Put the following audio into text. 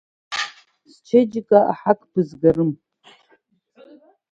Счеиџьыка аҳақ бызгарым…